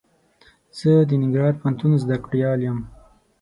زه د ننګرهار پوهنتون زده کړيال يم.